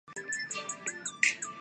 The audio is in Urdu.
جانتا ہوں مقابلہ کیسے کرنا ہے